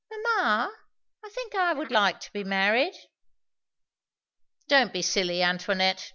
Mamma I think I should like to be married." "Don't be silly, Antoinette!